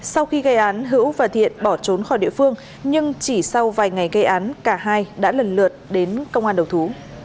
sau khi gây án hữu và thiện bỏ trốn khỏi địa phương nhưng chỉ sau vài ngày gây án cả hai đã lần lượt đến công an đầu thú